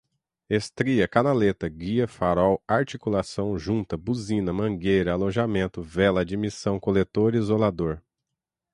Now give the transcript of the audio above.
estria, canaleta, guia, farol, articulação, junta, buzina, mangueira, alojamento, vela, admissão, coletor, isolador